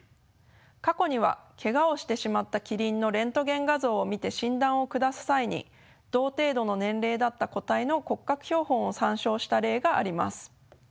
過去にはけがをしてしまったキリンのレントゲン画像を見て診断を下す際に同程度の年齢だった個体の骨格標本を参照した例があります。